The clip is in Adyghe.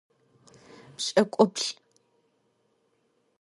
Pş'ık'uplh'ı.